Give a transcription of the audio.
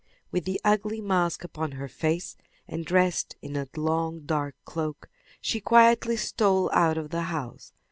With the ugly mask upon her face, and dressed in a long dark cloak, she quietly stole out of the house.